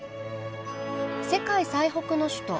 世界最北の首都。